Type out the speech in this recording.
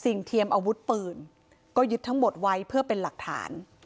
เทียมอาวุธปืนก็ยึดทั้งหมดไว้เพื่อเป็นหลักฐาน